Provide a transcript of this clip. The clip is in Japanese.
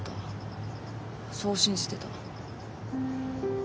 そう信じてた。